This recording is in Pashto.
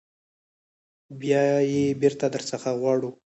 بیا یې بیرته در څخه غواړو.